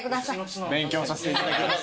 勉強させていただきます。